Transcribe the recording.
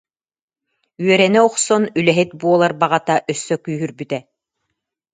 Үөрэнэ охсон үлэһит буолар баҕата өссө күүһүрбүтэ